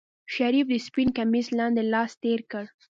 شريف د سپين کميس لاندې لاس تېر کړ.